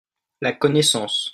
la connaissance.